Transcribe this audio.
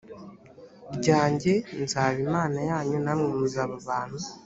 ryanjye nzaba imana yanyu namwe muzaba abantu